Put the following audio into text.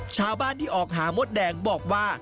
ชาวบ้านที่ออกหามดแดงบอกว่า